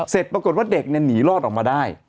เสร็จปรากฏว่าเด็กหนีรอดออกมาได้